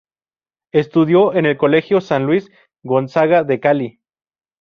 Estudió en el Colegio San Luis Gonzaga de Cali.